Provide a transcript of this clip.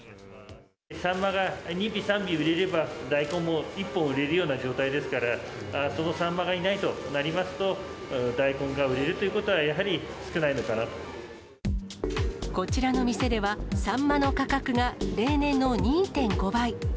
サンマが２尾、３尾売れれば大根も１本売れるような状態ですから、そのサンマがいないとなりますと、大根が売れるということはやはり少ないのかこちらの店では、サンマの価格が例年の２．５倍。